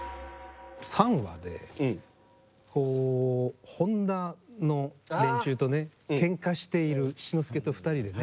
３話でこう本多の連中とねけんかしている七之助と２人でね